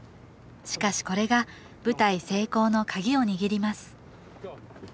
しかしこれが舞台成功のカギを握ります